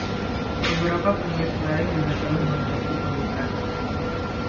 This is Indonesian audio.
Beberapa penulis lain juga telah mengadopsi penggunaan ini.